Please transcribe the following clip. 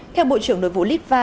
theo bộ trưởng đối vụ litva